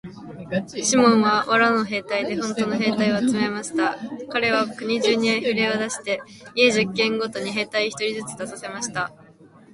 シモンは藁の兵隊でほんとの兵隊を集めました。かれは国中にふれを出して、家十軒ごとに兵隊一人ずつ出させました。